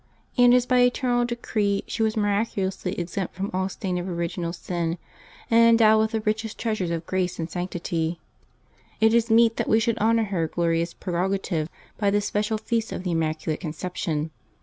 And as by eternal decree she was miraculously exempt from all stain of original sin, and endowed with DEcsaiBEB 9] LIVES OF THE SAINTS 375 the richest treasures of grace and sanctit} , it is meet that we should honor her glorious prerogatives by this special feast of the Immaculate Conception.